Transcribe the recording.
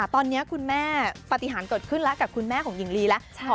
ตอนนี้คุณแม่ปฏิหารเกิดขึ้นแล้วกับคุณแม่ของหญิงลีแล้ว